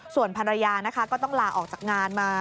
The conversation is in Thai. ส่วนภรรยานะคะก็ต้องลาออกจากงานมา